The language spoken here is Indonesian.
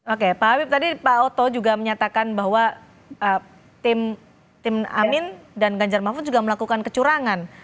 oke pak habib tadi pak oto juga menyatakan bahwa tim amin dan ganjar mahfud juga melakukan kecurangan